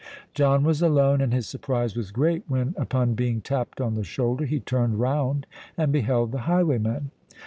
John was alone; and his surprise was great, when, upon being tapped on the shoulder, he turned round and beheld the highwayman.